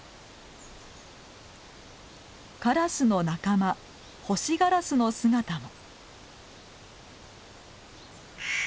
カラスの仲間ホシガラスの姿も。